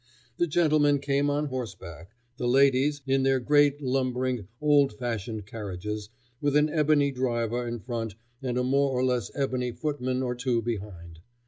The gentlemen came on horseback, the ladies in their great lumbering, old fashioned carriages, with an ebony driver in front and a more or less ebony footman or two behind.